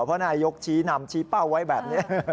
เพราะนายกชี้นำชี้เป้าไว้แบบนี้